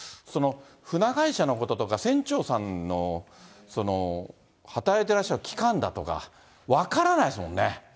船会社のこととか、船長さんの働いてらっしゃる期間だとか、分からないですもんね。